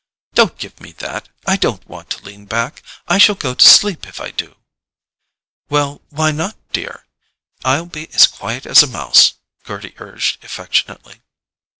"Don't give me that! I don't want to lean back—I shall go to sleep if I do." "Well, why not, dear? I'll be as quiet as a mouse," Gerty urged affectionately.